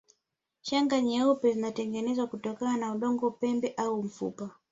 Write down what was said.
Shanga nyeupe zilitengenezwa kutokana na udongo pembe au mfupa